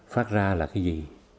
phát ra là cái gì